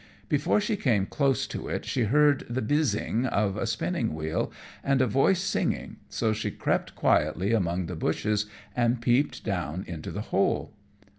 Before she came close up to it she heard the "bizzing" of a spinning wheel and a voice singing, so she crept quietly among the bushes and peeped down into the hole.